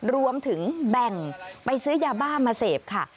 รวมถึงแบ่งไปซื้อยาบ้ามาเสพค่ะ